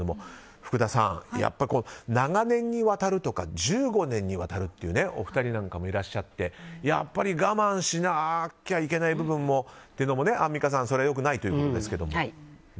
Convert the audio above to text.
福田さん、長年にわたるとか１５年にわたるっていうお二人なんかもいらっしゃってやっぱり我慢しなきゃいけない部分もというのもアンミカさん、それは良くないといことですけども。